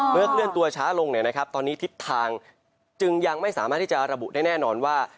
เคลื่อนตัวช้าลงตอนนี้ทิศทางจึงยังไม่สามารถที่จะระบุได้แน่นอนว่า